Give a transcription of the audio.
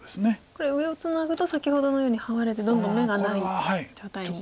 これ上をツナぐと先ほどのようにハワれてどんどん眼がない状態に。